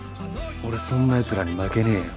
俺そんなやつらに負けねえよ。